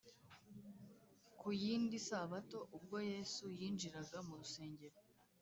ku yindi sabato, ubwo yesu yinjiraga mu rusengero,